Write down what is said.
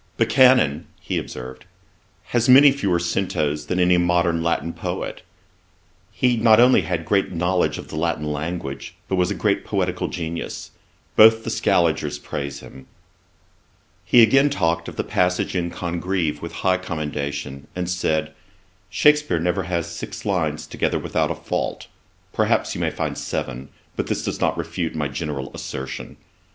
'Buchanan (he observed,) has fewer centos than any modern Latin poet. He not only had great knowledge of the Latin language, but was a great poetical genius. Both the Scaligers praise him.' He again talked of the passage in Congreve with high commendation, and said, 'Shakspeare never has six lines together without a fault. Perhaps you may find seven, but this does not refute my general assertion.